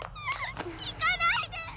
行かないで！